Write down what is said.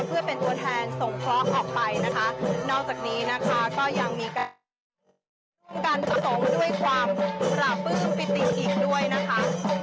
เพื่อเป็นตัวแทนส่งเคราะห์ออกไปนะคะนอกจากนี้นะคะก็ยังมีการประสงค์ด้วยความปราบปลื้มปิติอีกด้วยนะคะ